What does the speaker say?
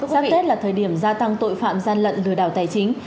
giáp tết là thời điểm gia tăng tội phạm gian lận lừa đảo tài chính